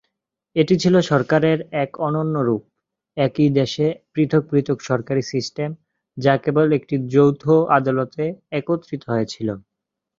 এটি ছিল সরকারের এক অনন্য রূপ, একই দেশে পৃথক পৃথক সরকারী সিস্টেম যা কেবল একটি যৌথ আদালতে একত্রিত হয়েছিল।